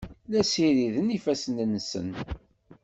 La ssiriden ifassen-nsen.